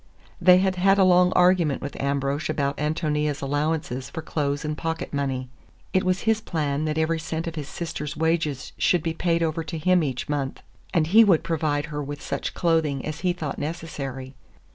They had had a long argument with Ambrosch about Ántonia's allowance for clothes and pocket money. It was his plan that every cent of his sister's wages should be paid over to him each month, and he would provide her with such clothing as he thought necessary.